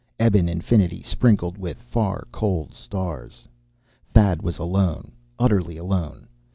Ebon infinity, sprinkled with far, cold stars. Thad was alone. Utterly alone.